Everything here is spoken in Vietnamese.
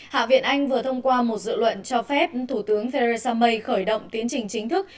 hạ viện anh vừa thông qua một dự luận cho phép thủ tướng theresa may khởi động tiến trình chính thức